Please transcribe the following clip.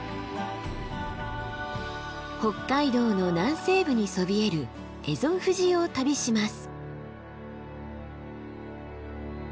北海道の南西部にそびえる蝦夷富士を旅します。